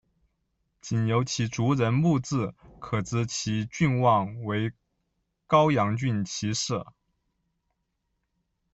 仅由其族人墓志可知其郡望为高阳郡齐氏。